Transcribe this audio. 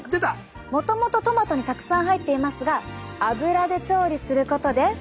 もともとトマトにたくさん入っていますが油で調理することで。